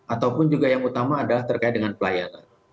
ataupun juga yang utama adalah terkait dengan pelayanan